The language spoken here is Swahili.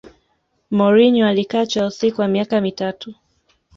mourinho alikaa chelsea kwa miaka mitatu